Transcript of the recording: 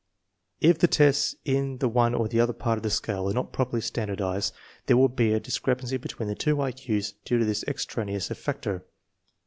H the tests in the one or the other part of the scale are not properly standardized, there will be a dis crepancy between the two I Q*s due to this extraneous factor.